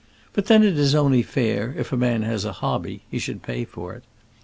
But then it is only fair that, if a man has a hobby, he should pay for it.